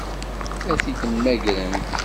Ad t-id-mmagrent?